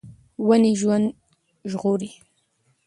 ونې ژوند ژغوري.